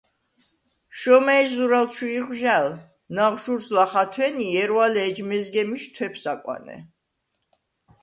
შომა̈ჲ, ზურალ ჩუ იღვჟალ, ნაღვჟურს ლახ ათვენი, ჲერვალე ეჯ მეზგემიშ თვეფს აკვანე.